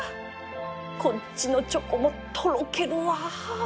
こっちのチョコもとろけるわ